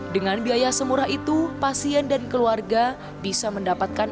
dengan biaya semurah itu pasien dan keluarga bisa mendapatkan